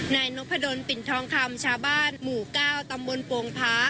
ในนกพะดนปิ่นทองคำชาบ้านหมู่ก้าวตำบลโปงพา